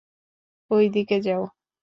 ঐ দিকে যাও!